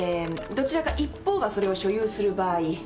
どちらか一方がそれを所有する場合えー